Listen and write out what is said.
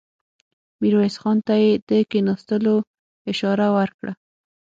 ميرويس خان ته يې د کېناستلو اشاره وکړه.